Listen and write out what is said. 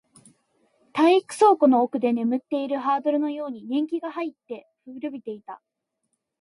体育倉庫の奥で眠っているハードルのように年季が入って、古びていた